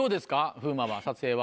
風磨は撮影は。